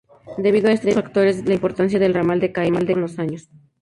Debido a estos factores, la importancia del ramal decae con los años.